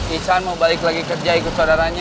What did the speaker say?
ihsan mau balik lagi kerja ikut saudaranya